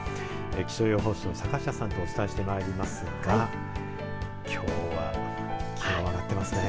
気象予報士の坂下さんとお伝えしてまいりますがきょうは気温が上がってますね。